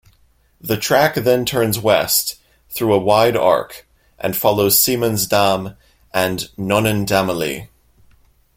The track then turns west through a wide arc and follows Siemensdamm and Nonnendammallee.